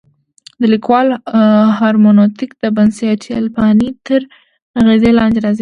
د لیکوال هرمنوتیک د بنسټپالنې تر اغېز لاندې راځي.